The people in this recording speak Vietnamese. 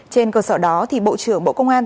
trên cơ sở đó bộ trưởng bộ công an